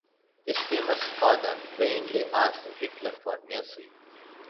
His famous father vainly asked Hitler for mercy.